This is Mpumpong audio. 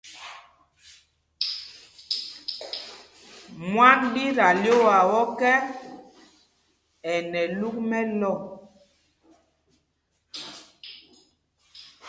Mwân ɗi ta lyoowaa ɔkɛ́, ɛ nɛ luk mɛlɔ̂.